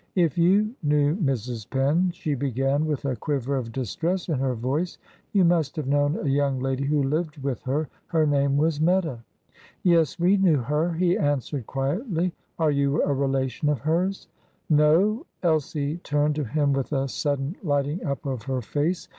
"If you knew Mrs. Penn," she began, with a quiver of distress in her voice, "you must have known a young lady who lived with her. Her name was Meta." "Yes, we knew her," he answered quietly. "Are you a relation of hers?" "No." Elsie turned to him with a sudden lighting up of her face.